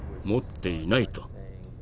「持っていない」と。